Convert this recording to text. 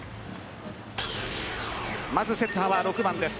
まずセッターは６番です。